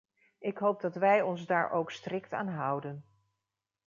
Ik hoop dat wij ons daar ook strikt aan houden.